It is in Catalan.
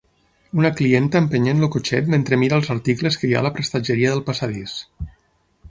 Una clienta empenyent el cotxet mentre mira els articles que hi ha a la prestatgeria del passadís.